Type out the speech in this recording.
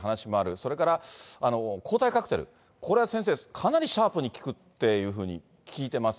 それから、抗体カクテル、これは先生、かなりシャープに効くっていうふうに聞いてます。